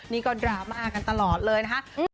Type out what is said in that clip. นี่ก็ดราม่ากันตลอดเลยนะคะ